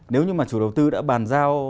nếu như mà chủ đầu tư đã bàn giao